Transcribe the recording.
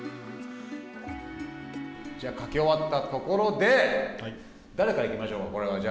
じゃあ、書き終わったところで誰から行きましょう、これは。